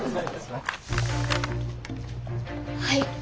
はい。